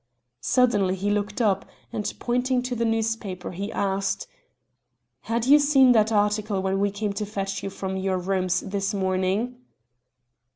Suddenly he looked up, and pointing to the newspaper, he asked: "Had you seen that article when we came to fetch you from your rooms this morning?"